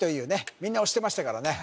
みんな押してましたからね